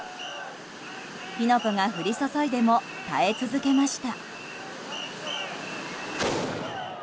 火の粉が降り注いでも耐え続けました。